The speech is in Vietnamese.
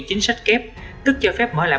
chính sách kép tức cho phép mở lại